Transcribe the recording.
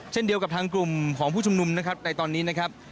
เช่นเดียวกับทางกลุ่มของผู้ชุมนุมนะครับในตอนนี้นะครับ